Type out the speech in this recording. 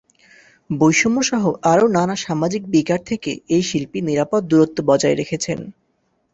বৈষম্যসহ আরও নানা সামাজিক বিকার থেকে এই শিল্পী নিরাপদ দূরত্ব বজায় রেখেছেন।